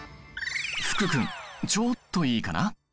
福君ちょっといいかな？